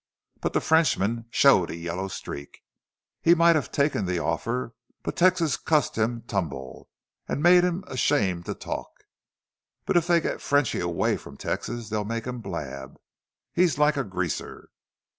But the Frenchman showed a yellow streak. He might have taken the offer. But Texas cussed him tumble, an' made him ashamed to talk. But if they git Frenchy away from Texas they'll make him blab. He's like a greaser.